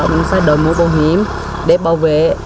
mình phải đổi mũ bảo hiểm để bảo vệ